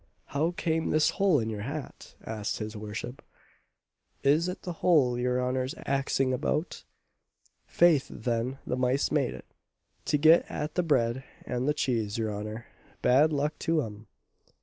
"How came this hole in your hat?" asked his worship. "Is it the hole your honour's axing about? 'Faith, then, the mice made it, to get at the bread and the cheese, your honour bad luck to 'em!"